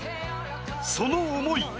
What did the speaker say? その思い